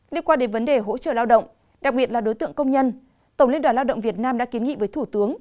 liên quan đến vấn đề hỗ trợ lao động đặc biệt là đối tượng công nhân tổng liên đoàn lao động việt nam đã kiến nghị với thủ tướng